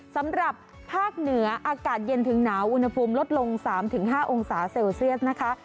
สำหรับภาคเหนืออากาศเย็นถึงหนาวอุณหภูมิลดลง๓๕องศาเซลเซียสนะคะ